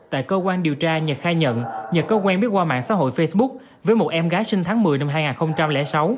tại cơ quan điều tra nhật khai nhận nhật có quen biết qua mạng xã hội facebook với một em gái sinh tháng một mươi năm hai nghìn sáu